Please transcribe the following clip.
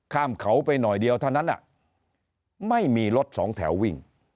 ข้ามเขาไปหน่อยเดียวเท่านั้นไม่มีรถสองแถววิ่ง